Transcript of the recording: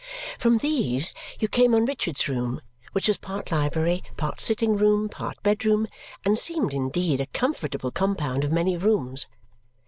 From these you came on Richard's room, which was part library, part sitting room, part bedroom, and seemed indeed a comfortable compound of many rooms.